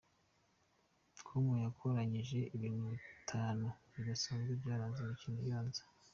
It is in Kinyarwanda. com yakoranyije ibintu bitanu bidasanzwe byaranze imikino ibanza.